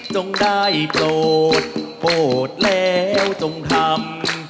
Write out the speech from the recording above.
จงได้โจทย์โปรดแล้วจงทำ